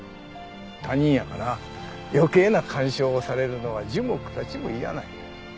他人やから余計な干渉をされるのは樹木たちも嫌なんや。